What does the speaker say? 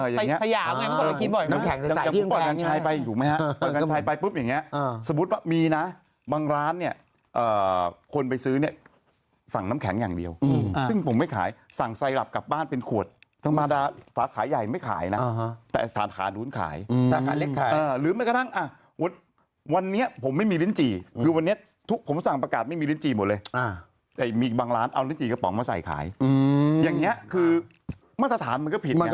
อย่างเงี้ยทำไอซ์มอนสเตอร์อย่างเงี้ยทำไอซ์มอนสเตอร์อย่างเงี้ยทำไอซ์มอนสเตอร์อย่างเงี้ยทำไอซ์มอนสเตอร์อย่างเงี้ยทำไอซ์มอนสเตอร์อย่างเงี้ยทำไอซ์มอนสเตอร์อย่างเงี้ยทำไอซ์มอนสเตอร์อย่างเงี้ยทำไอซ์มอนสเตอร์อย่างเงี้ยทำไอซ์มอนสเตอร์อย่างเง